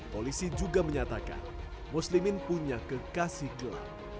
polisi juga menyatakan muslimin punya kekasih gelap